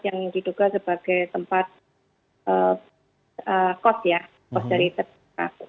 yang diduga sebagai tempat kos ya kos dari tersangka